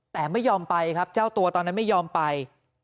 แต่ไม่ยอมไปครับเจ้าตัวตอนนั้นไม่ยอมไป